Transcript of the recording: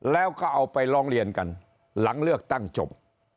แล้วก็เอาไปร้องเรียนกันหลังเลือกตั้งจบ